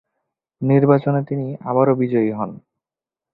নির্বাচনে তিনি আবারো বিজয়ী হন।